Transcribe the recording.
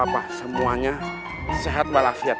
apapah semuanya sehat walaafiat